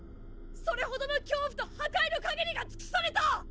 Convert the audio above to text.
それほどの恐怖と破壊の限りが尽くされた！！